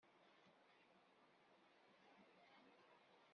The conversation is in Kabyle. Tufiḍ iman-ik yid-sent?